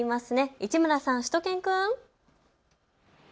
市村さん、しゅと犬くん。